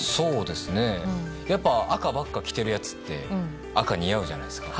やっぱり赤ばっかり着ているやつって赤、似合うじゃないですか。